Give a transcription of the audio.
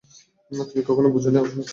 তুমি কখনোই বুঝোনি, ওরসন।